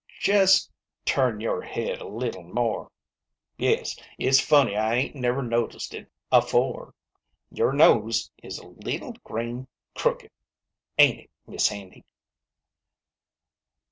"Jest turn your head a leetle more. Yes, it's funny I SISTER LIDDY. 8 5 ain't never noticed it afore. Your nose is a leetle grain crooked ŌĆö ain't it, Mis' Handy?"